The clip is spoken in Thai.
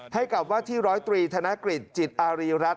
ให้กลับว่าที่๑๐๓ทนกริจจิตอารีรัฐ